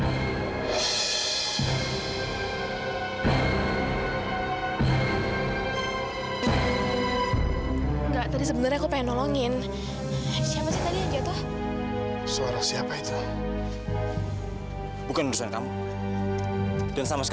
tapi biarkan dia lebih baik daripada jika tearsan mereka